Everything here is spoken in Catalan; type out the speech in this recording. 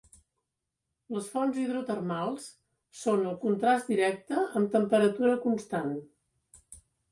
Les fonts hidrotermals són el contrast directe amb temperatura constant.